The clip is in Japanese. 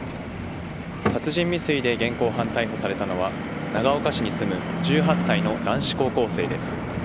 殺人未遂で現行犯逮捕されたのは長岡市に住む１８歳の男子高校生です。